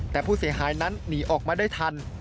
แต่ผู้เสียหายนั้นหนีออกมาได้ทัน